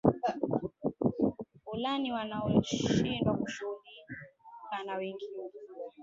fulani wanaoshindwa kushughulika na wengine